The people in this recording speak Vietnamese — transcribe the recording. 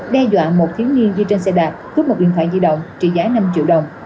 đe dọa một thiếu niên đi trên xe đạp cướp một điện thoại di động trị giá năm triệu đồng